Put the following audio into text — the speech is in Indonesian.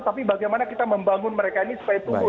tapi bagaimana kita membangun mereka ini supaya tumbuh